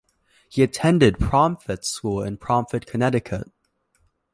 He attended Pomfret School in Pomfret, Connecticut.